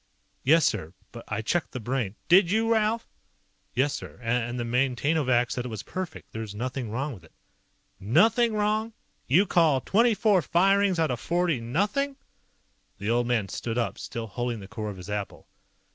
"Yes, sir. But I checked the Brain " "Did you, Ralph?" "Yes, sir. And the Maintainovac said it was perfect. There's nothing wrong with it." "Nothing wrong? You call twenty four firings out of forty nothing?" The old man stood up, still holding the core of his apple.